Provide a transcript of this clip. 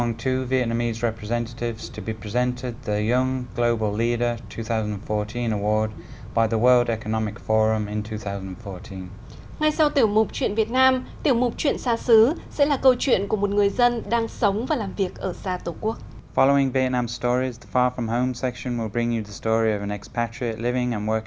ngay sau tiểu mục chuyện việt nam tiểu mục chuyện xa xứ sẽ là câu chuyện của một người dân đang sống và làm việc ở xa tổ quốc